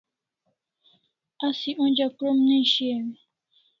Asi onja krom ne shiau e?